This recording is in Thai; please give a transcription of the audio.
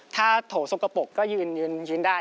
ถ้าโถสะกระปบก็ยืนได้